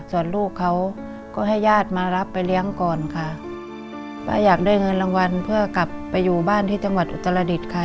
ส่วนลูกเขาก็ให้ญาติมารับไปเลี้ยงก่อนค่ะป้าอยากได้เงินรางวัลเพื่อกลับไปอยู่บ้านที่จังหวัดอุตรดิษฐ์ค่ะ